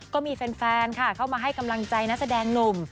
ก็มีแฟนค่ะเข้ามาให้กำลังใจนักแสดงหนุ่ม